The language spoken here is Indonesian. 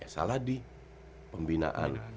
salah di pembinaan